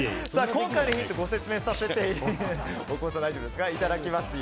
今回のヒントをご説明させていただきます。